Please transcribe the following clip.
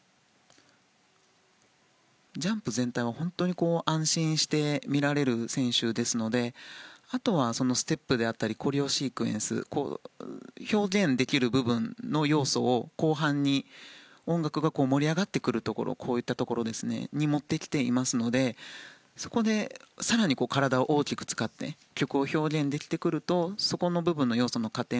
ジャンプ全体は本当に安心して見られる選手ですのであとは、ステップであったりコレオシークエンス表現できる部分の要素を後半の音楽が盛り上がってくるところに持ってきていますのでそこで更に体を大きく使って曲を表現できてくるとその部分の要素の加点